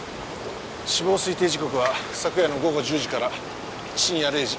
死亡推定時刻は昨夜の午後１０時から深夜０時。